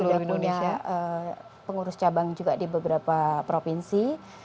sudah banyak dan kita sudah punya pengurus cabang juga di beberapa provinsi